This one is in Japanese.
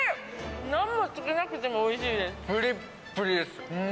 なんもつけなくてもおいしいです。